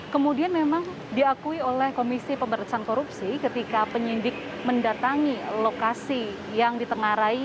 kemudian memang diakui oleh komisi pemberantasan korupsi ketika penyidik mendatangi lokasi yang ditengarai